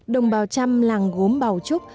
đồng bào trăm làng gốm bào trúc